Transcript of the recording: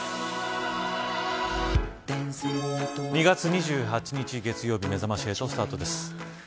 ２月２８日、月曜日めざまし８スタートです。